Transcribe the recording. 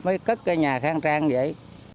mới cất cái nhà khang trang như vậy